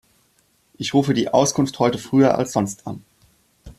Ich rufe die Auskunft heute früher als sonst an.